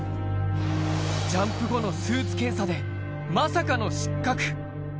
ジャンプ後のスーツ検査で、まさかの失格。